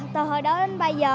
từ hồi đó đến bây giờ